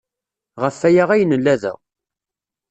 Ɣef waya ay nella da.